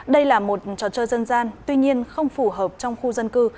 đây là một trò chơi dân gian tuy nhiên không phù hợp trong khu dân cư